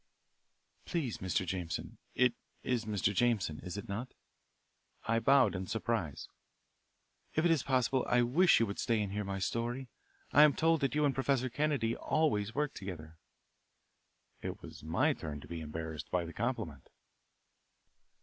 "Please, Mr. Jameson it is Mr. Jameson, is it not?" I bowed in surprise. "If it is possible I wish you would stay and hear my story. I am told that you and Professor Kennedy always work together." It was my turn to be embarrassed by the compliment.